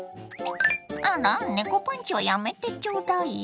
あら猫パンチはやめてちょうだいよ。